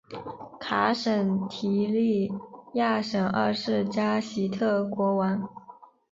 卡什提里亚什二世加喜特国王。